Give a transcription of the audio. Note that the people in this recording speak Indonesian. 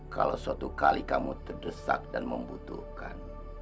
kalau suatu kali kamu terdesak dan membutuhkan